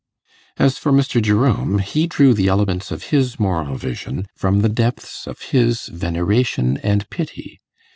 As for Mr. Jerome, he drew the elements of his moral vision from the depths of his veneration and pity.